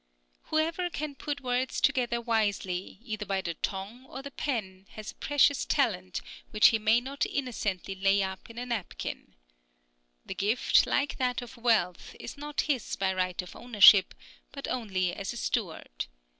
Whoever can put words together wisely, either by the tongue or the pen, has a precious talent, which he may not innocently lay up in a napkin. The gift, like that of wealth, is not his by right of ownership, but only as a steward.